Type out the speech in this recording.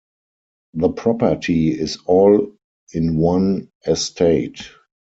The property is all in one estate.